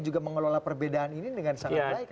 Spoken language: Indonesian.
juga mengelola perbedaan ini dengan sangat baik